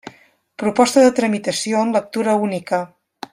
Proposta de tramitació en lectura única.